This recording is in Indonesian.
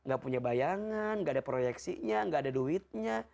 gak punya bayangan gak ada proyeksinya nggak ada duitnya